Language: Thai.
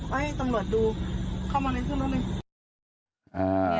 เข้ามาในที่รถหนึ่ง